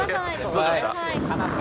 どうしました？